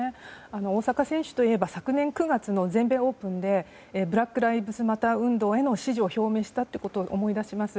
大坂選手といえば昨年９月の全米オープンでブラック・ライブズ・マター運動への支持を表明したということを思い出します。